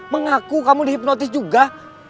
mengaku kamu dihipnotis juga